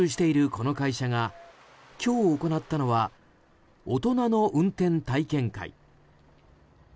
この会社が今日、行ったのは大人の運転体験会。